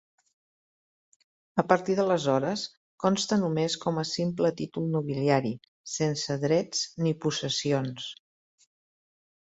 A partir d'aleshores, consta només com a simple títol nobiliari, sense drets ni possessions.